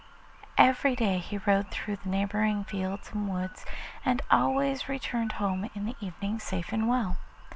Every day he rode through the neighbouring fields and woods, and always returned home in the evening safe and well.